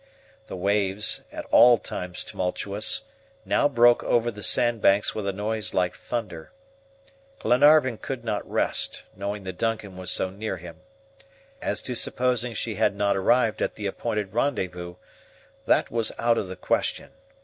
The waves, at all times tumultuous, now broke over the sand banks with a noise like thunder. Glenarvan could not rest, knowing the DUNCAN was so near him. As to supposing she had not arrived at the appointed rendezvous, that was out of the question.